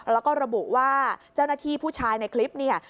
แล้วก็ระบุว่าเจ้าหน้าที่ผู้ชายในคลิปเนี่ย